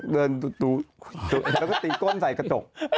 เดินแล้วก็ตีก้นใส่กระจก